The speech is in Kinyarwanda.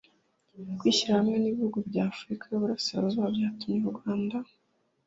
Kwishyira hamwe n’ibihugu bya Afurika y’Uburasirazuba byatumye u Rwanda